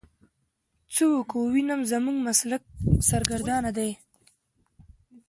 څه وکو ويم زموږ مسلک سرګردانه دی.